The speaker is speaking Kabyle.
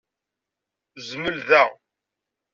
Zmel da.